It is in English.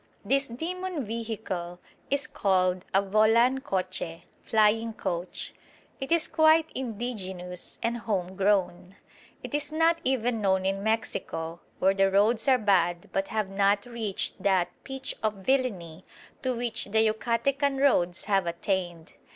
This demon vehicle is called a volan coche (flying coach). It is quite indigenous and home grown. It is not even known in Mexico, where the roads are bad but have not reached that pitch of villainy to which the Yucatecan roads have attained.